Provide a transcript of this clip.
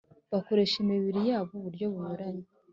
bakoresha imibiri yabo uburyo bunyuranye